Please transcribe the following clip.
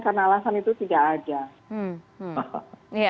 karena alasan itu tidak ada